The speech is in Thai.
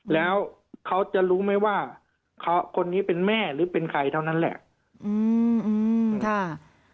แล้วเขาจะรู้ไหมว่าเขาคนนี้เป็นแม่หรือเป็นใครเท่านั้นแหละ